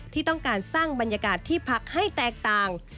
ที่ต้องการสร้างบรรยากาศที่พักให้แตกต่าง